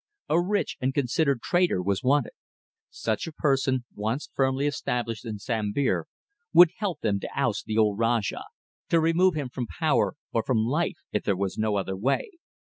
A rich and considered trader was wanted. Such a person once firmly established in Sambir would help them to oust the old Rajah, to remove him from power or from life if there was no other way.